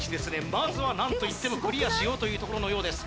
まずは何といってもクリアしようというところのようです